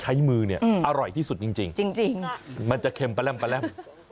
ใช้มือเนี่ยอร่อยที่สุดจริงมันจะเค็มแปลม